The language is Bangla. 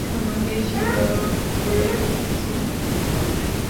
তোমাকে স্বীকারও করে নিয়েছিলাম আমি।